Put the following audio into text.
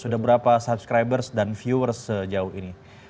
sudah berapa subscribers dan viewers sejauh ini